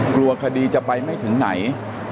กลัวคดีจะไปไม่ถึงไหน